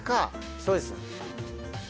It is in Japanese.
そうです。